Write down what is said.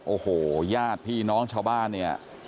โอ้โหญาติพี่น้องชาวบ้านเนี่ย